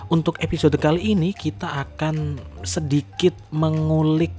untuk episode kali ini kita akan sedikit mengulik